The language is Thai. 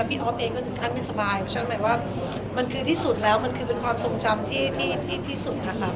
ออฟเองก็ถึงขั้นไม่สบายว่ามันคือที่สุดแล้วมันคือเป็นความทรงจำที่ที่สุดนะคะ